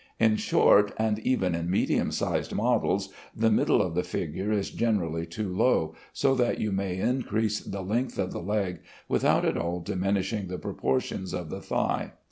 In short, and even in medium sized models, the middle of the figure is generally too low, so that you may increase the length of the leg without at all diminishing the proportions of the thigh.